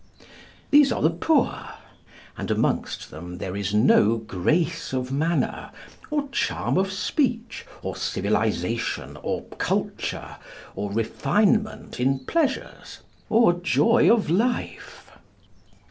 These are the poor, and amongst them there is no grace of manner, or charm of speech, or civilisation, or culture, or refinement in pleasures, or joy of life.